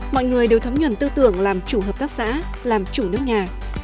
mọi người đều thấm nhuận tư tưởng làm chủ hợp tác xã làm chủ nước nhà